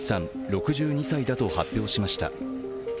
６２歳だと発表しました。